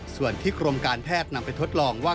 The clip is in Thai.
ส่วนที่กรมการแพทย์นำไปทดลองว่า